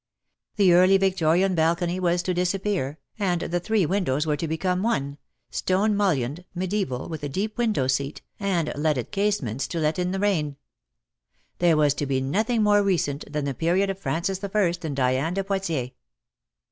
The Early Victorian balcony was to disappear, and the three windows were to become one, stone mullioned, mediaeval, with a deep window seat, and leaded casements to DEAD LOVE HAS CHAINS. 1 99 let in the rain. There was to be nothing more re cent than the period of Francis the First and Diane de Poictiers.